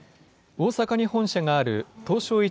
大阪に本社がある東証